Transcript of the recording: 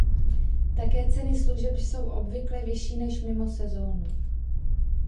Také ceny služeb jsou obvykle vyšší než "mimo sezónu".